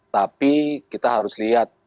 tapi kita harus lihat